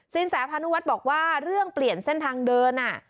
แสพานุวัฒน์บอกว่าเรื่องเปลี่ยนเส้นทางเดิน